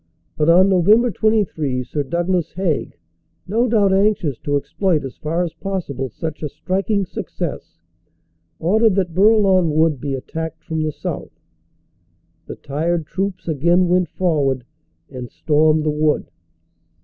But on Nov. 23 Sir Douglas Haig, no doubt anxious to exploit as far as possible such a striking success, ordered that Bourlon Wood be attacked from the south. The tired troops again went forward and stormed the wood.